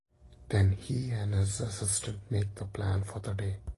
Then he and his assistant make the plan for the day.